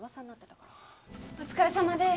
お疲れさまです。